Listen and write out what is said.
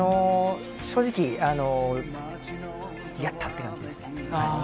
正直、やったっていう感じです。